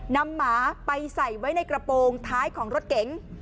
หมาไปใส่ไว้ในกระโปรงท้ายของรถเก๋ง